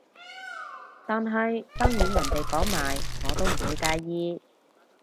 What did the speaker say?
但係當然人哋講埋我都唔會介意